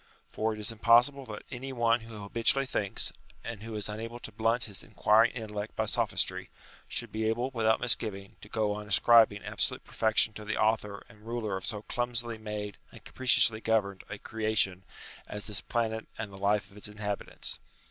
For it is impossible that any one who habitually thinks, and who is unable to blunt his inquiring intellect by sophistry, should be able without misgiving to go on ascribing absolute perfection to the author and ruler of so clumsily made and capriciously governed a creation as this planet and the life of its inhabitants.